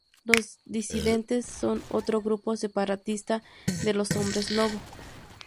Los Disidentes son otro grupo separatista de los hombres lobo.